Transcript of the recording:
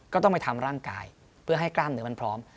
ก็ต้องไปทำร่างกายเพื่อให้กล้ามเนื้อมันพร้อม